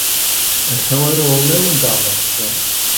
Mae llawer o olew yn dal ar y traeth.